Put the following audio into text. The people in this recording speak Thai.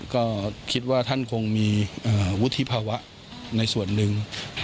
ก็คิดว่าท่านคงมีวุฒิภาวะในส่วนหนึ่ง